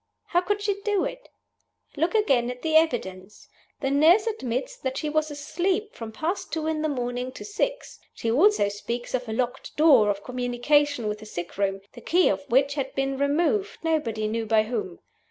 How could she do it? Look again at the evidence. The nurse admits that she was asleep from past two in the morning to six. She also speaks of a locked door of communication with the sickroom, the key of which had been removed, nobody knew by whom.